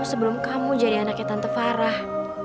sebelum kamu jadi anaknya tante farah